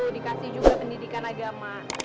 dikasih juga pendidikan agama